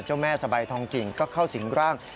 เจ้าแม่สะใบทองจิ๋งก็เข้าสิงค์ร่าง